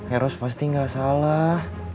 eros pasti gak salah